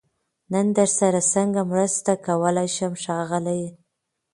نن درسره سنګه مرسته کولای شم ښاغليه🤗